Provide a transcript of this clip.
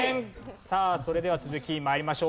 さあそれでは続き参りましょう。